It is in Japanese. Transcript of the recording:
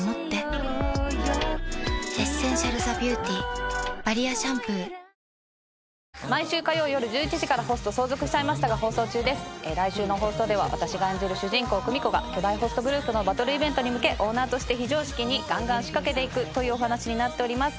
しっかりホワイトニングしかも欲しい働きがつまったオールインワン至れり尽せり来週の放送では私が演じる主人公久美子が巨大ホストグループのバトルイベントに向けオーナーとして非常識にガンガン仕掛けていくというお話になっております。